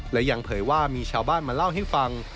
และยังเผยว่ามีชาวบ้านมาเล่าให้ฟัง